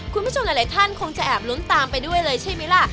คุณผู้ชมหลายท่านคงจะแอบลุ้นตามไปด้วยเลยใช่ไหมล่ะ